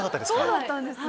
そうだったんですね。